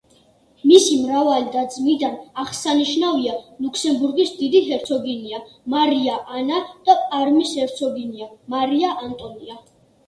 მისი მრავალი და-ძმიდან აღსანიშნავია ლუქსემბურგის დიდი ჰერცოგინია მარია ანა და პარმის ჰერცოგინია მარია ანტონია.